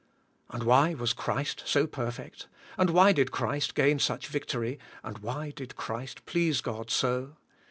And why was Christ so perfect, and why did Christ gain such victory, and why did Christ please God so